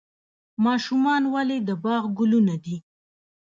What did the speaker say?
ماشومان ولې د باغ ګلونه دي؟